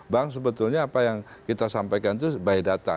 bang sebetulnya apa yang kita sampaikan itu by data